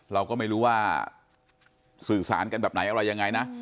เราก็ไม่รู้ว่าสื่อสารกันแบบไหนอะไรยังไงนะ